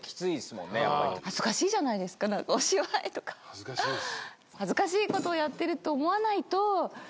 恥ずかしいです。